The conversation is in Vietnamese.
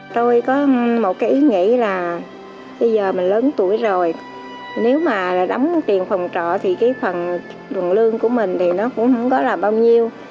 tôi có một cái ý nghĩ là bây giờ mình lớn tuổi rồi nếu mà đóng tiền phòng trọ thì cái phần tiền lương của mình thì nó cũng không có là bao nhiêu